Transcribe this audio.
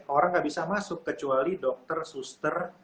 orang nggak bisa masuk kecuali dokter suster